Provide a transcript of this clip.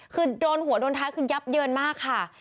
คือโดนหัวโดนท้ายคือยับเยินมากค่ะ